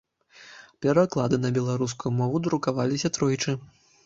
Пераклады на беларускую мову друкаваліся тройчы.